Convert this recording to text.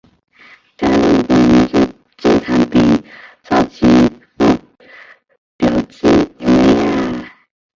在日本名字经常比照其父表记为。